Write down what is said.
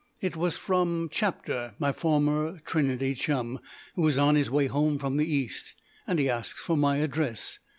It was from Chapter, my former Trinity chum, who is on his way home from the East, and asks for my address.